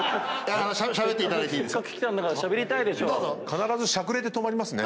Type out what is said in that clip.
必ずしゃくれて止まりますね。